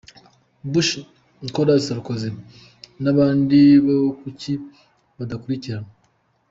Bush, Nicolas Sarkozy n’abandi bo kuki badakurikiranwa ?.